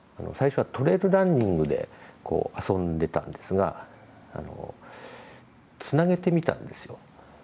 最初はトレイルランニングで遊んでいたんですがつなげてみたんですよ